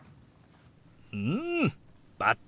うんバッチリです！